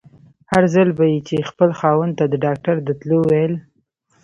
هر ځل به يې چې خپل خاوند ته د ډاکټر د تلو ويل.